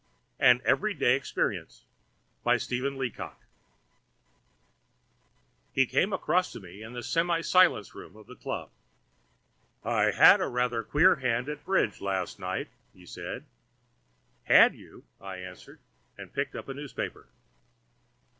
VII.—AN EVERY DAY EXPERIENCE He came across to me in the semi silence room of the club. "I had a rather queer hand at bridge last night," he said. "Had you?" I answered, and picked up a newspaper.